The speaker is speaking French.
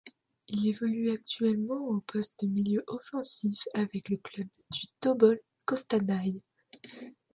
Il évolue actuellement au poste de milieu offensif avec le club du Tobol Kostanaï.